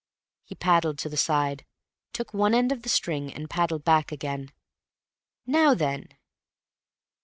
He paddled to the side, took one end of the string and paddled back again. "Now then."